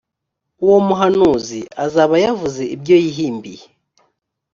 uwo muhanuzi azaba yavuze ibyo yihimbiye.